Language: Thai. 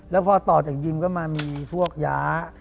แล้วพอต่อจากยิมก็มามีพวกย้า